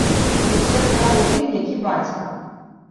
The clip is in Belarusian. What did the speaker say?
Дык уся справа ў тым, які бацька.